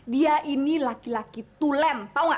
dia ini laki laki tulem tau nggak